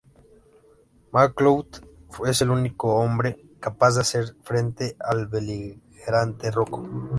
McCloud es el único hombre capaz de hacer frente al beligerante Rocco.